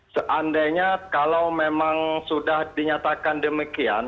seandainya kalau memang sudah dinyatakan demikian